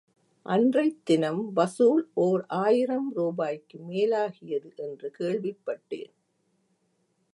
அன்றைத்தினம் வசூல் ஓர் ஆயிரம் ரூபாய்க்கு மேலாகியது என்று கேள்விப்பட்டேன்.